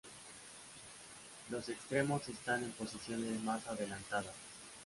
Los extremos están en posiciones más adelantadas.